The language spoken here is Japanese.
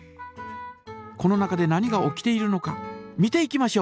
この中で何が起きているのか見ていきましょう！